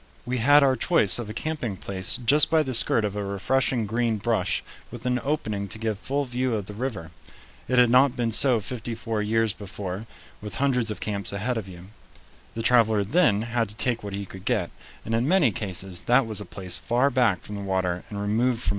We had our choice of a camping place just by the skirt of a refreshing green brush with an opening to give full view of the river. It had not been so fifty four years before, with hundreds of camps ahead of you. The traveler then had to take what he could get, and in many cases that was a place far back from the water and removed from other conveniences.